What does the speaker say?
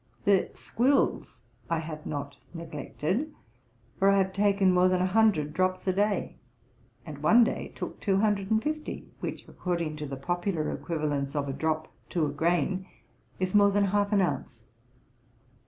The squills I have not neglected; for I have taken more than a hundred drops a day, and one day took two hundred and fifty, which, according to the popular equivalence of a drop to a grain, is more than half an ounce.